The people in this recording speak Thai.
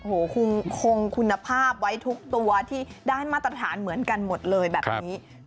โอ้โหคงคุณภาพไว้ทุกตัวที่ได้มาตรฐานเหมือนกันหมดเลยแบบนี้